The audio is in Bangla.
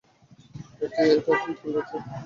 এটা কী তোর বাচ্চা?